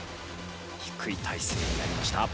低い体勢になりました。